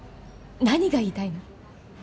何が言いたいの？